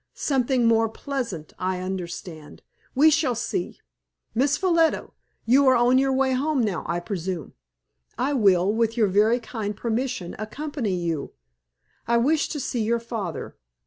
"Something more pleasant! I understand; we shall see. Miss Ffolliot, you are on your way home now, I presume. I will, with your very kind permission, accompany you. I wish to see your father.